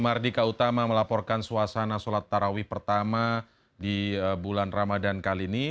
mardika utama melaporkan suasana sholat tarawih pertama di bulan ramadan kali ini